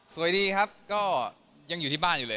สวัสดีครับก็ยังอยู่ที่บ้านอยู่เลย